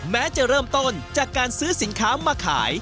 แม้จะเริ่มต้นจากการซื้อสินค้ามาขาย